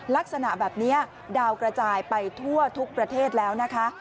ลักษณะแบบนี้ดาวกระจายไปทั่วทุกประเทศแล้วนะคะ